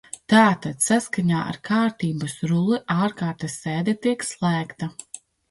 Tātad saskaņā ar Kārtības rulli ārkārtas sēde tiek slēgta.